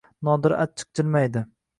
Nodira achchiq jilmaydi